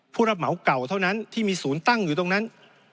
ผู้รับเหมาเก่าเท่านั้นที่มีศูนย์ตั้งอยู่ตรงนั้น